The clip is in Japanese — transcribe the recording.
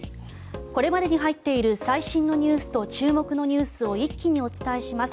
これまでに入っている最新ニュースと注目ニュースを一気にお伝えします。